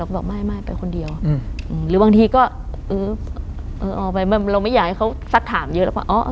เราก็บอกไม่ไปคนเดียวหรือบางทีก็เออเออออกไปเราไม่อยากให้เขาสัดถามเยอะแล้ว